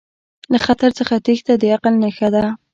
له خطر څخه تیښته د عقل نښه ده.